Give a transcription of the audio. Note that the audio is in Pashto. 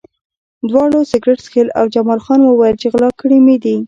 دواړو سګرټ څښل او جمال خان وویل چې غلا کړي مې دي